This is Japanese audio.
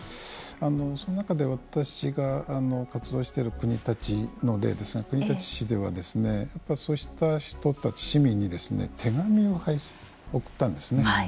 その中で私が活動している国立の例ですが国立市ではそうした人たち、市民に手紙を送ったんですね。